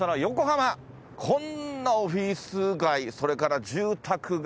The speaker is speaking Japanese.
こんなオフィス街それから住宅街